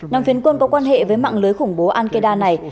nằm phiến quân có quan hệ với mạng lưới khủng bố al qaeda này